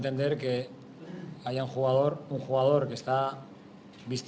yang memakai pakaian dari seleksi